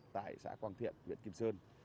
tại xã quang thiện huyện kim sơn